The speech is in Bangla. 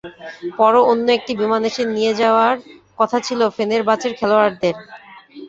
পরে অন্য একটি বিমান এসে নিয়ে যাওয়ার কথা ছিল ফেনেরবাচের খেলোয়াড়দের।